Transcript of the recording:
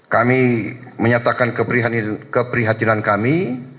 kami menyatakan keprihatinan kami